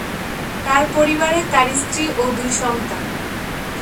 তার পরিবার এ তার স্ত্রী ও দুই সন্তান।